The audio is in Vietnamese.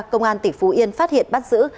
công an tỉnh phú yên phát hiện bắt giữ